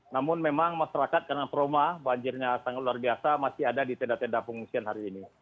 namun memang masyarakat karena trauma banjirnya sangat luar biasa masih ada di tenda tenda pengungsian hari ini